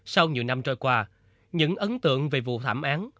sau nhiều năm trôi qua những ấn tượng về vụ thảm án